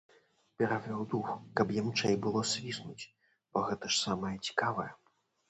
Перавёў дух, каб ямчэй было свіснуць, бо гэта ж самае цікавае.